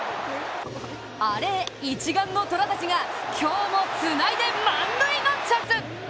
「アレ」へ一丸の虎たちが今日もつないで、満塁のチャンス。